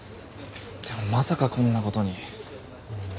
でもまさかこんな事に。